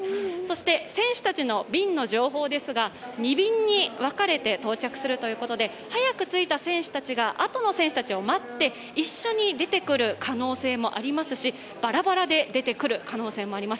選手たちの便の情報ですが２便に分かれて到着するということで早く着いた選手たちがあとの選手たちを待って一緒に出てくる可能性もありますし、ばらばらで出てくる可能性もあります。